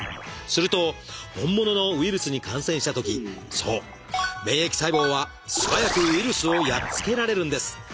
すると本物のウイルスに感染したときそう免疫細胞は素早くウイルスをやっつけられるんです。